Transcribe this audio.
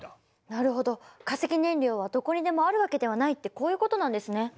なるほど化石燃料はどこにでもあるわけではないってこういうことなんですね。